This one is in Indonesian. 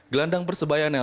gelandang persebaya nelson alom